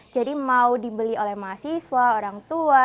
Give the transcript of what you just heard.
mau dibeli oleh mahasiswa orang tua